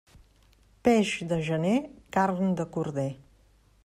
Peix de gener, carn de corder.